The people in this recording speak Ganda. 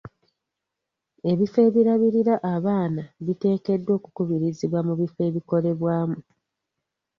Ebifo ebirabirira abaana biteekeddwa okukubirizibwa mu bifo ebikolebwamu .